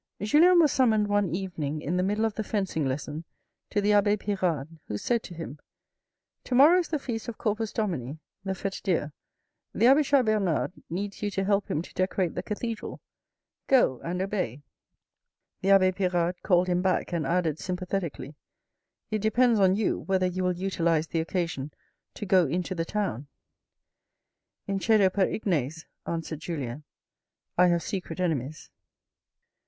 Julien was summoned one evening in the middle of the fencing lesson to the abbe Pirard, who said to him. " To morrow is the feast of Corpus Domini (the Fete Dieu) the abbe Chas Bernard needs you to help him to decorate the cathedral. Go and obey." The abbe Pirard called him back and added sympathetically. " It depends on you whether you will utilise the occasion to go into the town." " Incedo per ignes," answered Julien. (I have secret enemies).